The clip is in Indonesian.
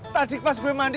tadi pas gue mandi